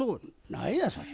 何やそれ。